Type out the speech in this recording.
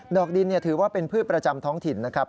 อกดินถือว่าเป็นพืชประจำท้องถิ่นนะครับ